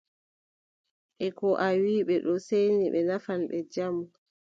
E ko a wii ɓe ɗo seeyni ɓe nafan ɓe jamu.